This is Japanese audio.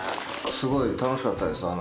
すごい楽しかったです。